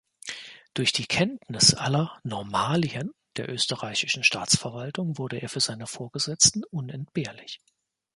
Durch die Kenntnis aller „Normalien“ der österreichischen Staatsverwaltung wurde er für seine Vorgesetzten unentbehrlich.